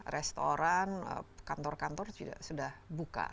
restoran kantor kantor sudah buka